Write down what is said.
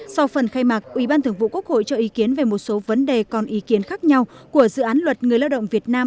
sau phần khai mạc ủy ban thường vụ quốc hội cho ý kiến về một số vấn đề còn ý kiến khác nhau của dự án luật người lao động việt nam